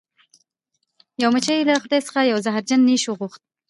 یوې مچۍ له خدای څخه یو زهرجن نیش وغوښت.